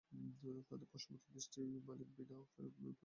তাদের প্রশ্নবোধক দৃষ্টি মালিক বিন আওফের প্রতি নিবদ্ধ হয়।